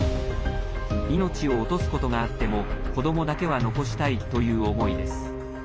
命を落とすことがあっても子どもだけは残したいという思いです。